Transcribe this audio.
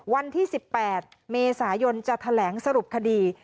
วันที่๑๘เมษายนจะแถลงสรุปคดี